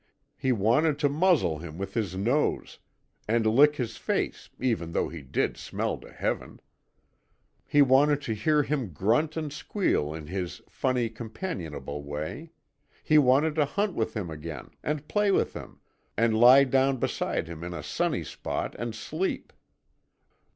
He wanted to muzzle him with his nose and lick his face even though he did smell to heaven. He wanted to hear him grunt and squeal in his funny, companionable way; he wanted to hunt with him again, and play with him, and lie down beside him in a sunny spot and sleep.